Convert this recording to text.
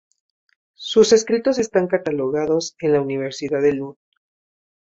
Sus escritos están catalogados en la Universidad de Lund.